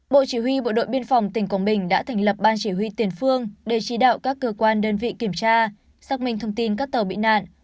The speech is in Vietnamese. bộ chỉ huy bộ đội biên phòng tỉnh quảng bình đã thành lập ban chỉ huy tiền phương để chỉ đạo các cơ quan đơn vị kiểm tra xác minh thông tin các tàu bị nạn